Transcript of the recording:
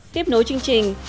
tiếp nối chương trình